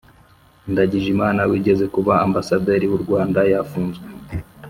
ndagijimana wigeze kuba ambasaderi w’u rwanda yafunzwe